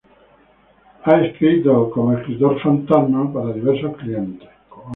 Ha escrito como "ghost writer" para diversos clientes.